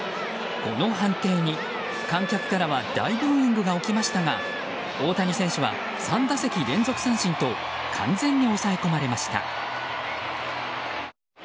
この判定に観客からは大ブーイングが起きましたが大谷選手は３打席連続三振と完全に抑え込まれました。